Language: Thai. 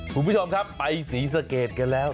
คุณผู้ชมครับไปศรีสะเกดกันแล้ว